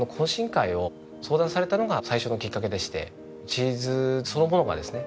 チーズそのものがですね